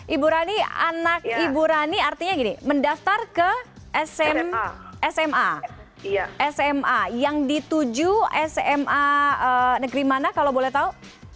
ibu rani anak ibu rani artinya gini mendaftar ke sma sma yang dituju sma negeri mana kalau boleh tahu